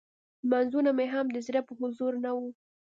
لمونځونه مې هم د زړه په حضور نه وو.